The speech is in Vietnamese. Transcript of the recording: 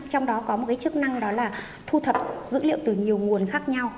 trong đó có một chức năng là thu thập dữ liệu từ nhiều nguồn khác nhau